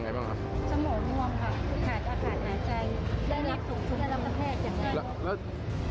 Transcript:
ได้รับสูงทุกได้รับสแพทย์อย่างไรครับ